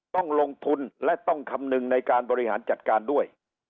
ต้องลงทุนและต้องคำนึงในการบริหารจัดการด้วย